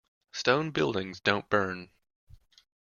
Stone buildings don't burn.